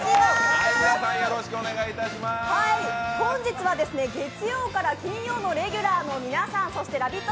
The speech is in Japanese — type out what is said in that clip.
本日は、月曜から金曜のレギュラーの皆さん、そしてラヴィット！